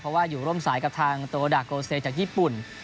เพราะว่าอยู่ร่วมสายกับทางโตดาโกเซจากญี่ปุ่น